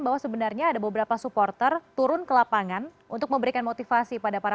bahwa sebenarnya ada beberapa supporter turun ke lapangan untuk memberikan motivasi pada para